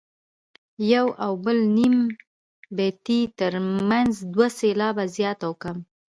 د یو او بل نیم بیتي ترمنځ دوه سېلابه زیات او کم.